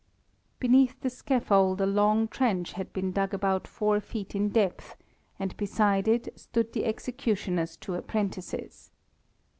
Beneath the scaffold a long trench had been dug about four feet in depth, and beside it stood the executioner's two apprentices.